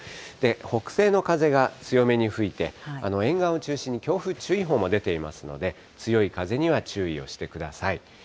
北西の風が強めに吹いて、沿岸を中心に強風注意報も出ていますので、強い風には注意をしてください。